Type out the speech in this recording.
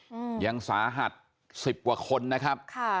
อืมยังสาหัสสิบกว่าคนนะครับค่ะ